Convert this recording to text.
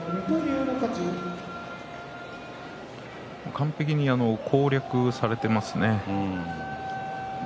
完璧に攻略されていますね。